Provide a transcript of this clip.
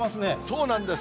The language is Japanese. そうなんです。